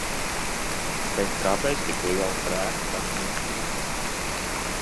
Bet kāpēc tik liela brēka par nieka medaļu?